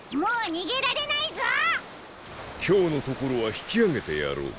きょうのところはひきあげてやろう。